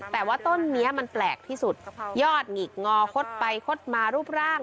แต่ว่าต้นนี้มันแปลกที่สุดยอดหงิกงอคดไปคดมารูปร่าง